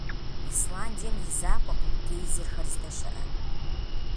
Исландием и закъуэкъым гейзерхэр здэщыӀэр.